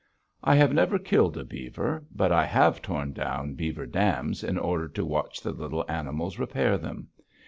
I never killed a beaver, but I have torn down beaver dams in order to watch the little animals repair them.